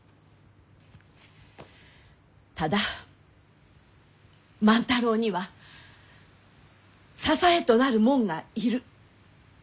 ただ万太郎には支えとなる者が要る。